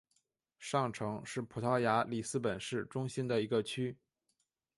上城是葡萄牙里斯本市中心的一个区。